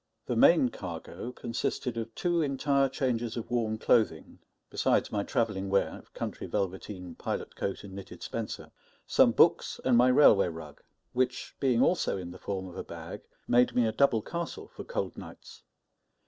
The main cargo consisted of two entire changes of warm clothing besides my travelling wear of country velveteen, pilot coat, and knitted spencer some books, and my railway rug, which, being also in the form of a bag, made me a double castle for cold nights.